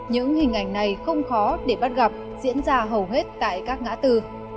những hình ảnh này không khó để bắt gặp diễn ra hầu hết tại các ngã tư